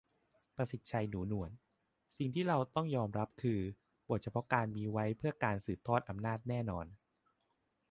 ประสิทธิชัย หนูนวล : สิ่งที่เราต้องยอมรับคือ บทเฉพาะกาลมีเพื่อการสืบทอดอำนาจแน่นอน